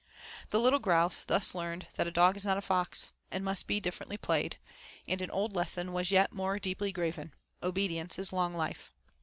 The little grouse thus learned that a dog is not a fox, and must be differently played; and an old lesson was yet more deeply graven 'Obedience is long life.'